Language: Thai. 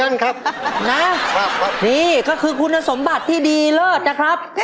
เตียนครับนะครับครับนี่ก็คือคุณสมบัติที่ดีเลิศนะครับ